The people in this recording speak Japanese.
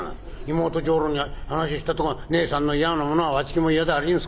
妹女郎に話したところが『姉さんの嫌なものはわちきも嫌でありんす』。